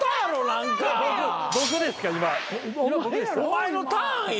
お前のターンや。